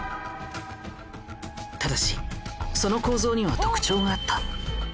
ただしその構造には特徴があった。